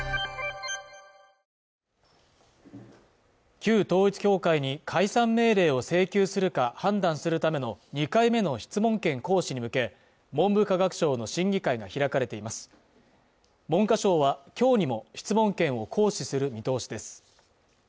旧統一教会に解散命令を請求するか判断するための２回目の質問権行使に向け文部科学省の審議会が開かれています文科省はきょうにも質問権を行使する見通しです